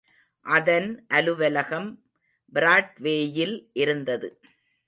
அதன் அலுவலகம் பிராட்வேயில் இருந்தது.